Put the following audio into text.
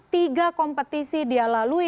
tiga kompetisi dia lalui